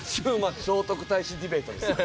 聖徳太子ディベートですね。